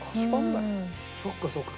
そっかそっか。